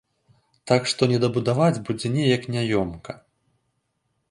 Так што недабудаваць будзе неяк няёмка.